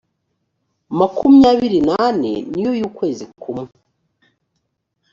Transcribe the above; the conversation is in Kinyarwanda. makumyabiri n ane niyo y ukwezi kumwe